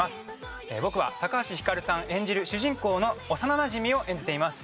僕は橋ひかるさん演じる主人公の幼なじみを演じています。